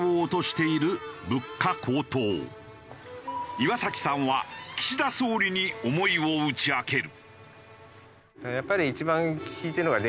岩崎さんは岸田総理に思いを打ち明ける。